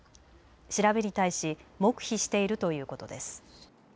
調べに対し黙秘しているということです。